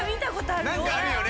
なんかあるよね。